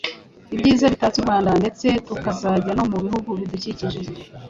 ibyiza bitatse u Rwanda ndetse tukazajya no mu bihugu bidukikije.